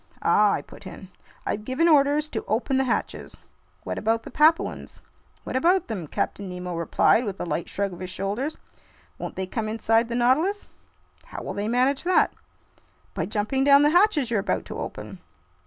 "Ah!" I put in. "I've given orders to open the hatches." "What about the Papuans?" "What about them?" Captain Nemo replied, with a light shrug of his shoulders. "Won't they come inside the Nautilus?" "How will they manage that?" "By jumping down the hatches you're about to open."